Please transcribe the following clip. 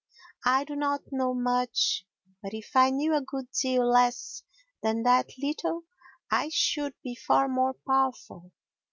I do not know much, but if I knew a good deal less than that little I should be far more powerful.